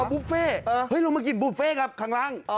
เอาบุฟเฟ่เออเฮ้ยเรามากินบุฟเฟ่ครับเดี๋ยวข้างหลัง